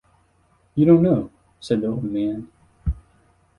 “You don’t know,” said the old man.